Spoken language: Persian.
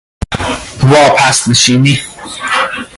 واپس نشینی کردن